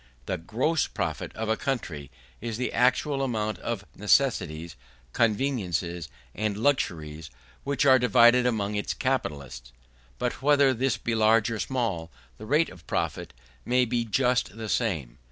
The gross profit of a country is the actual amount of necessaries, conveniences, and luxuries, which are divided among its capitalists: but whether this be large or small, the rate of profit may be just the same.